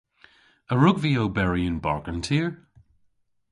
A wrug vy oberi yn bargen tir?